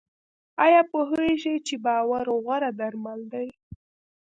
ایا پوهیږئ چې باور غوره درمل دی؟